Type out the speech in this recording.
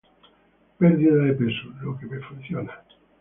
Pérdida de peso: Lo que me funciona